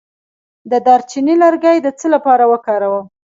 د دارچینی لرګی د څه لپاره وکاروم؟